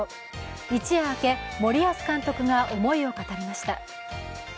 一夜明け、森保監督が思いを語りました。